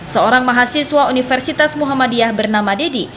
seorang mahasiswa universitas muhammadiyah bernama dedy